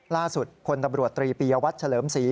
ล่าสุดคนตำรวจตรีปียวัตรเฉลิมสี